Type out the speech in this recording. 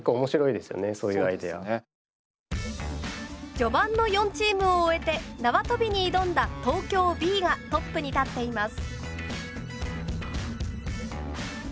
序盤の４チームを終えて縄跳びに挑んだ東京Ｂがトップに立っています。